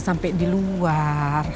sampai di luar